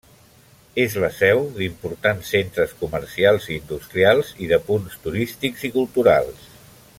És la seu d'importants centres comercials i industrials, i de punts turístics i culturals.